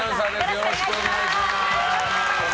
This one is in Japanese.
よろしくお願いします。